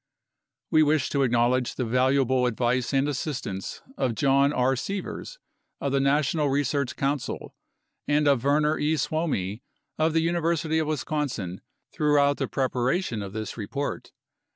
We wish to acknowledge the valuable advice and assistance of John R. Sievers of the National Research Council and of Verner E. Suomi of the University of Wisconsin throughout the preparation of this report.